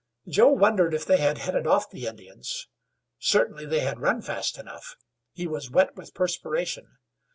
Joe wondered if they had headed off the Indians. Certainly they had run fast enough. He was wet with perspiration.